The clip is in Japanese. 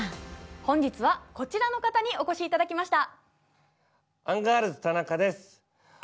本日はこちらの方にお越しいただきました。